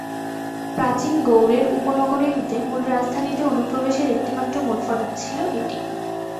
প্রাচীন গৌড়ের উপনগরী হতে মূল রাজধানীতে অনুপ্রবেশের একটিমাত্র মূল ফটক ছিলো এটি।